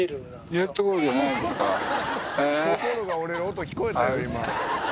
「心が折れる音聞こえたよ今」